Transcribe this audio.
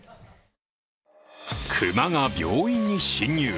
熊が病院に侵入。